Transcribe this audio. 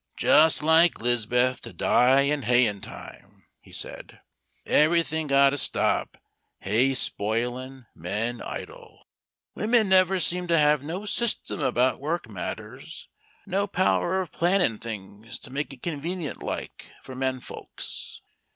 "Just like 'Liz'beth, to die in hayin' time," he said. "Everything got to stop hay spoilin' men idle. Women never seem to have no system about work matters no power of plannin' things, to make it convenient like for men folks."